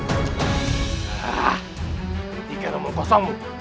buktikan umur kosongmu